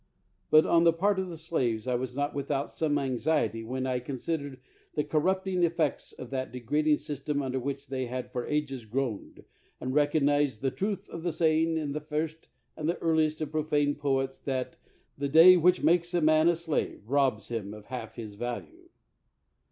But, on the part of the slaves, I was not without some anxiety when I con sidered the corrupting effects of that degrading system under which they had for ages groaned, and recognized the truth of the saying in the first and the earliest of profane poets, that the day which makes a man a slave robs him of half his value."